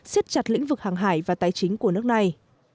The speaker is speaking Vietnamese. siết chặt lĩnh vực hàng hải và tài chính của nước này